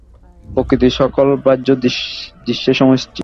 প্রকৃতি সকল বাহ্য দৃশ্যের সমষ্টি।